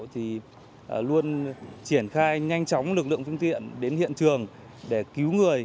thì luôn triển khai nhanh chóng lực lượng phương tiện đến hiện trường để cứu người